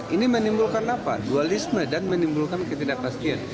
ini menimbulkan apa dualisme dan menimbulkan ketidakpastian